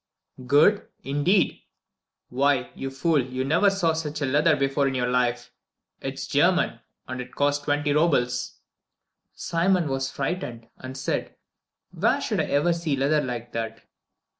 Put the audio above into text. "Good, indeed! Why, you fool, you never saw such leather before in your life. It's German, and cost twenty roubles." Simon was frightened, and said, "Where should I ever see leather like that?"